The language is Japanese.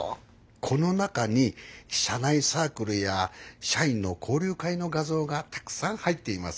この中に社内サークルや社員の交流会の画像がたくさん入っています。